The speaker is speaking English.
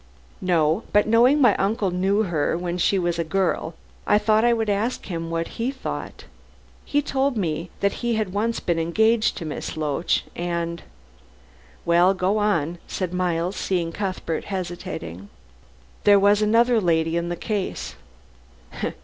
"No. But knowing my uncle knew her when she was a girl, I thought I would ask him what he thought. He told me that he had once been engaged to Miss Loach, and " "Well, go on," said Miles, seeing Cuthbert hesitating. "There was another lady in the case."